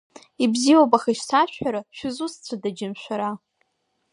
Ибзиоуп, аха ишсашәҳәара шәызусҭцәада, џьым, шәара?